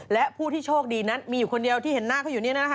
และผู้ที่โชคดีนั้นมีอยู่คนเดียวที่เห็นหน้าเขาอยู่นี่นะคะ